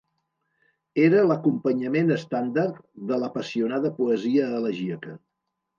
Era l'acompanyament estàndard de l'apassionada poesia elegíaca.